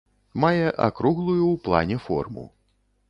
Мае акруглую ў плане форму.